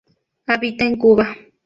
Habita en Cuba.